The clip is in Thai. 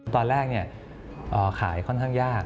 ตอนแรกขายค่อนข้างยาก